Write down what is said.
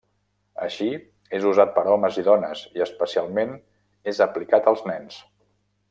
Així, és usat per homes i dones, i especialment és aplicat als nens.